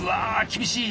厳しい。